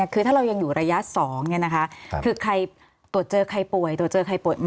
คือถ้าเรายังอยู่ระยะ๒คือใครตรวจเจอใครป่วยตรวจเจอใครป่วย